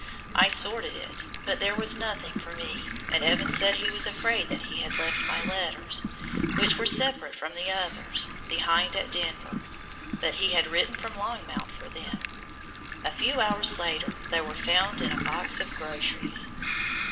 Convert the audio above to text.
I sorted it, but there was nothing for me and Evans said he was afraid that he had left my letters, which were separate from the others, behind at Denver, but he had written from Longmount for them. A few hours later they were found in a box of groceries!